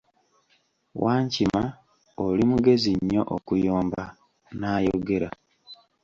Wankima, oli mugezi nnyo okuyomba, n'ayogera.